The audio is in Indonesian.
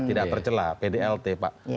tidak tercelah pdlt pak